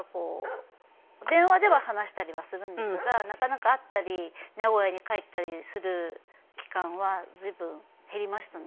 電話では話したりはするんですがなかなか会ったり名古屋に帰ったりする期間は随分減りましたね。